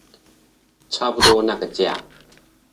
差不多那個價